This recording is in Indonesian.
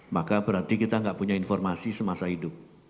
maka berarti kita nggak punya informasi semasa hidup